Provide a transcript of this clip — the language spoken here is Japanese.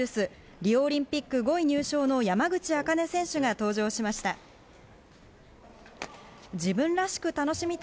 リオオリンピック５位入賞の山口茜選手が登場しました。